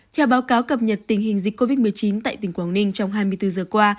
theo báo cáo cập nhật tình hình dịch covid một mươi chín tại tỉnh quảng ninh trong hai mươi bốn giờ qua